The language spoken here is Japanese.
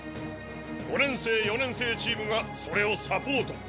五年生四年生チームがそれをサポート。